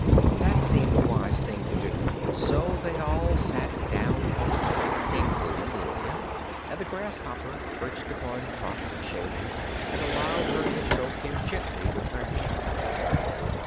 That seemed a wise thing to do, so they all sat down upon the grass, including Gloria, and the grasshopper perched upon Trot's shoulder and allowed her to stroke him gently with her hand.